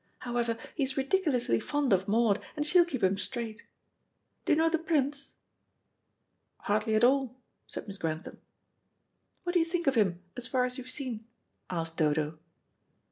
However, he is ridiculously fond of Maud, and she'll keep him straight. Do you know the Prince?" "Hardly at all," said Miss Grantham. "What do you think of him, as far as you've seen?" asked Dodo.